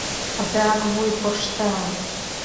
Адак вуй коршта.